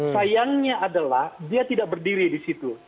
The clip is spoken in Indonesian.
sayangnya adalah dia tidak berdiri di situ